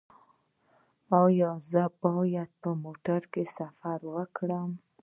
ایا زه باید په موټر کې سفر وکړم؟